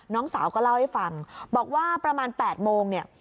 น้องสาวก็เล่าให้ฟังบอกว่าประมาณ๘โมงเนี่ย